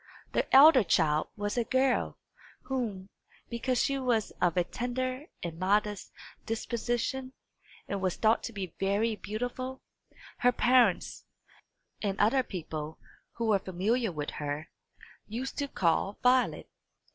The elder child was a girl, whom, because she was of a tender and modest disposition, and was thought to be very beautiful, her parents, and other people who were familiar with her, used to call Violet.